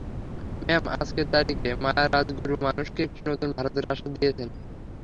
Ma'am, আজকের তারিখে, মায়া রাজগুরু মানুষকে একটি নতুন ভারতের আশা দিয়েছেন।